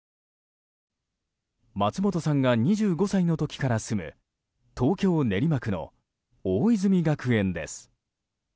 松本さんが２５歳の時から住む東京・練馬区の大泉学園です。